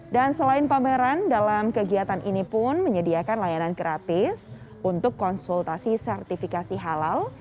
dan selain pameran dalam kegiatan ini pun menyediakan layanan gratis untuk konsultasi sertifikasi halal